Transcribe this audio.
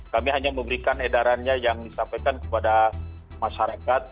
kami hanya memberikan edarannya yang disampaikan kepada masyarakat